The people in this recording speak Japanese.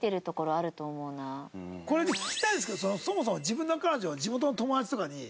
これ聞きたいんですけどそもそも自分の彼女を地元の友達とかに紹介したいタイプですか？